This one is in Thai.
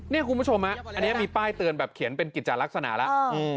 นี่คุณผู้ชมอันนี้มีป้ายเตือนแบบเขียนเป็นกิจลักษณะแล้ว